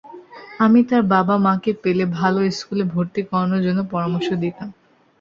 আমি তার বাবা-মাকে পেলে ভালো স্কুলে ভর্তি করানোর জন্য পরামর্শ দিতাম।